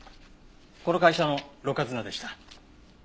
この会社のろ過砂でした。